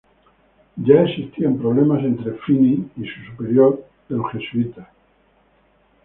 Ya existían problemas entre Feeney y su superior de los jesuitas, y entre St.